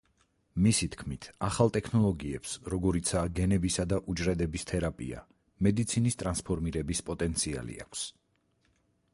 მისი თქმით, „ახალ ტექნოლოგიებს, როგორიცაა გენებისა და უჯრედების თერაპია, მედიცინის ტრანსფორმირების პოტენციალი აქვს“.